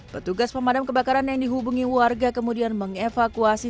petugas pemadam kebakaran yang dihubungi warga kemudian mengevakuasi